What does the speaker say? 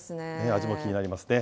味も気になりますね。